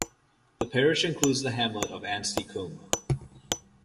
The parish includes the hamlet of Ansty Coombe.